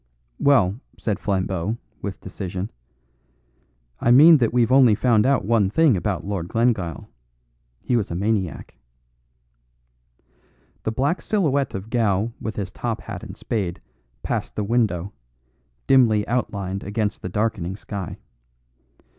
"Well," said Flambeau, with decision, "I mean that we've only found out one thing about Lord Glengyle. He was a maniac." The black silhouette of Gow with his top hat and spade passed the window, dimly outlined against the darkening sky.